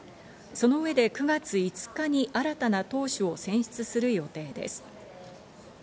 その上で９月５日に新たな党首を選出する予定です。